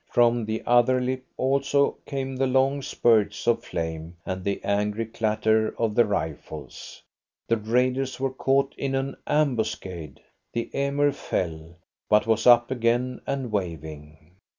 From the other lip also came the long spurts of flame and the angry clatter of the rifles. The raiders were caught in an ambuscade. The Emir fell, but was up again and waving.